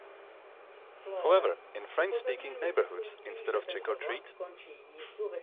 However, in French speaking neighbourhoods, instead of Trick or treat?